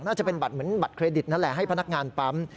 น่าจะเป็นบัตรเหมือนบัตรเครดิตนั่นแหละให้พนักงานปั๊ม